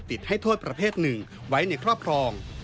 ร่วมกันมียาเสพติดให้โทษประเภทหนึ่งไว้ในครอบครอง